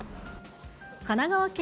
神奈川県